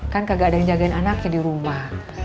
kan kagak ada yang jagain anaknya di rumah